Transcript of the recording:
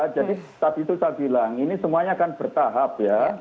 tadi itu saya bilang ini semuanya akan bertahap ya